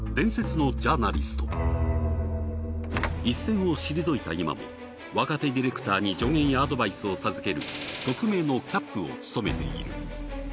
一線を退いた今も若手ディレクターに助言やアドバイスを授ける特命のキャップを務めている。